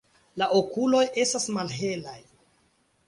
La okuloj estas malhelaj.